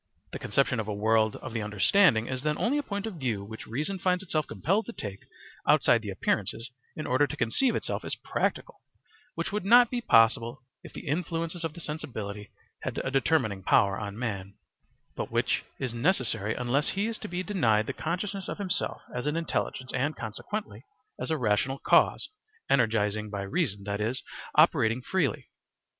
The conception of a world of the understanding is then only a point of view which reason finds itself compelled to take outside the appearances in order to conceive itself as practical, which would not be possible if the influences of the sensibility had a determining power on man, but which is necessary unless he is to be denied the consciousness of himself as an intelligence and, consequently, as a rational cause, energizing by reason, that is, operating freely.